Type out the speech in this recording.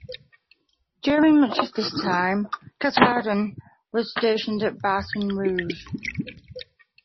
During much of this time "Katahdin" was stationed at Baton Rouge.